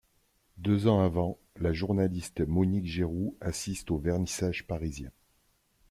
Deux ans avant, la journaliste Monique Giroux assiste au vernissage parisien.